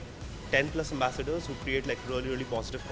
kita ada sekitar sepuluh ambassador yang membuat konten yang positif